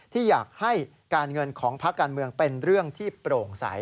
ที่อยากให้การเงินของพักการเมืองเป็นเรื่องที่โปร่งใส